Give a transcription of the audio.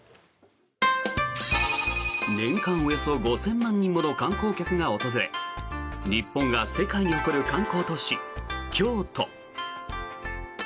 年間およそ５０００万人もの観光客が訪れ日本が世界に誇る観光都市京都。